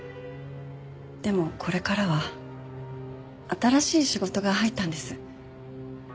でもこれからは新しい仕事が入ったんです。